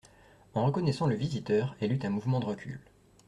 En reconnaissant le visiteur, elle eut un mouvement de recul.